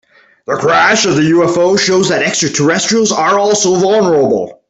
The crash of the UFO shows that extraterrestrials are also vulnerable.